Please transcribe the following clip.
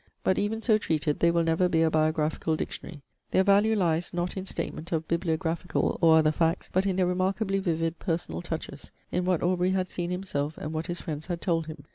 But, even so treated, they will never be a biographical dictionary. Their value lies not in statement of bibliographical or other facts, but in their remarkably vivid personal touches, in what Aubrey had seen himself and what his friends had told him.